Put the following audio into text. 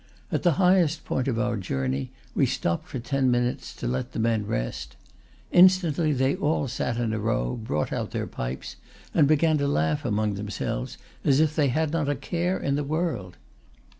At the highest point of our journey, we stopped for ten minutes to let the men rest. Instantly they all sat in a row, brought out their pipes, and began to laugh among themselves as if they had not a care in the world.